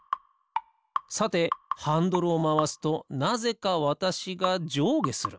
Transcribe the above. さてハンドルをまわすとなぜかわたしがじょうげする。